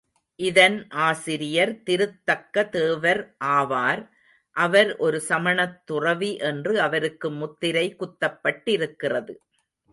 இதன் ஆசிரியர் திருத்தக்க தேவர் ஆவார். அவர் ஒரு சமணத் துறவி என்று அவருக்கு முத்திரை குத்தப்பட்டிருக்கிறது.